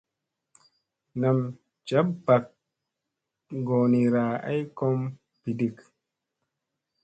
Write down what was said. Nam ja bak goonira ay kom biɗik.